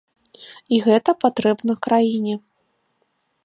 І гэта патрэбна краіне.